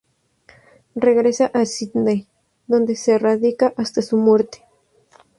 Regresa a Sídney, donde se radica hasta su muerte.